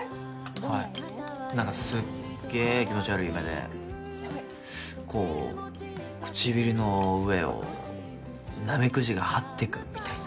なんか、すっげえ気持ち悪い夢で、こう唇の上をなめくじがはってくみたいな。